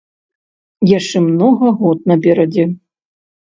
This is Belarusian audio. Яшчэ многа год наперадзе.